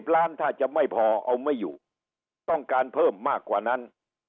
ล้านถ้าจะไม่พอเอาไม่อยู่ต้องการเพิ่มมากกว่านั้น